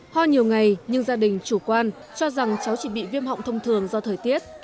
ho nhiều ngày nhưng gia đình chủ quan cho rằng cháu chỉ bị viêm họng thông thường do thời tiết